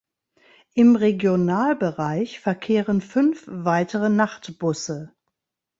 Im Regionalbereich verkehren fünf weitere Nachtbusse.